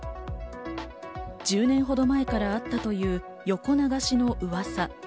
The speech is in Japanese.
１０年ほど前からあったという横流しの噂。